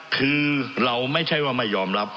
คือเราไม่ใช่ว่าไม่ยอมรับ